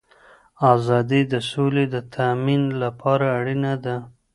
آزادي د سولی د تأمین لپاره اړینه ده.